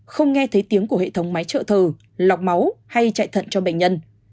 không nghe thấy tiếng của hệ thống máy trợ thờ lọc máu hay chạy thận cho bệnh nhân